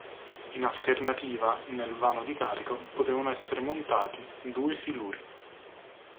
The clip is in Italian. In alternativa nel vano di carico potevano essere montati due siluri.